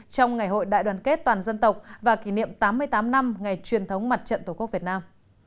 trong ngày hội đại đoàn kết toàn dân tộc và kỷ niệm tám mươi tám năm ngày truyền thống mặt trận tổ quốc việt nam